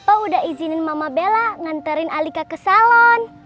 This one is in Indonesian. papa udah izinin mama bella nganterin alika ke salon